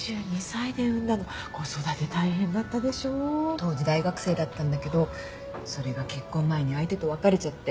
当時大学生だったんだけどそれが結婚前に相手と別れちゃって。